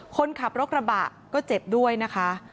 คนขับรถกระบะก็เจ็บด้วยนะคะ